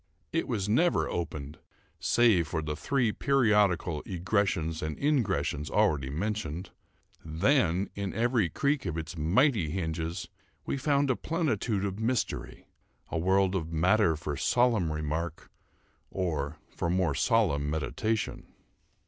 It was never opened save for the three periodical egressions and ingressions already mentioned; then, in every creak of its mighty hinges, we found a plenitude of mystery—a world of matter for solemn remark, or for more solemn meditation.